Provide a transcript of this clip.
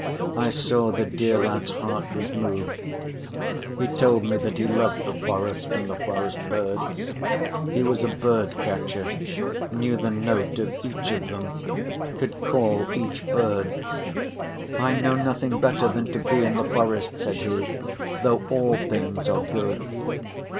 I saw the dear lad's heart was moved. He told me that he loved the forest and the forest birds. He was a bird‐catcher, knew the note of each of them, could call each bird. "I know nothing better than to be in the forest," said he, "though all things are good."